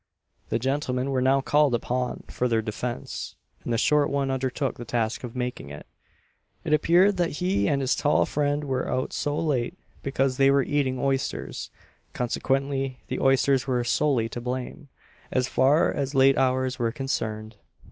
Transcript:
The gentlemen were now called upon for their defence, and the short one undertook the task of making it. It appeared that he and his tall friend were out so late because they were eating oysters, consequently the oysters were solely to blame, as far as late hours were concerned.